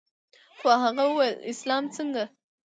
خو هغه وويل اسلام څنگه.